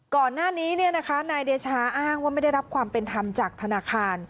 ก่อนหน้านี้นายเดชาอ้างว่าไม่ได้รับความเป็นธรรมจากธนาคาร